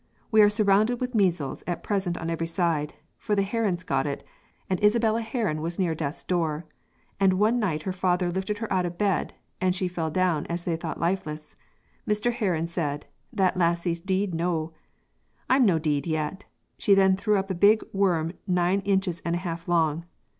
We are surrounded with measles at present on every side, for the Herons got it, and Isabella Heron was near Death's Door, and one night her father lifted her out of bed, and she fell down as they thought lifeless. Mr. Heron said, 'That lassie's deed noo' 'I'm no deed yet.' She then threw up a big worm nine inches and a half long.